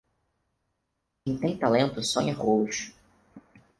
Quem tem talento, sonha rolos.